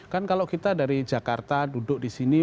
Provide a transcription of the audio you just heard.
kan kalau kita dari jakarta duduk disini